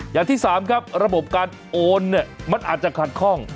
อย่างที่สามครับระบบการโอนมันอาจจะขาดคล่อง